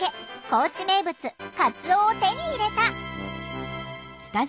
高知名物かつおを手に入れた。